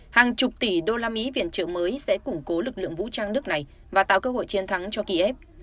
hàng chục tỷ đô la mỹ viện trợ mới sẽ củng cố lực lượng vũ trang nước này và tạo cơ hội chiến thắng cho kiev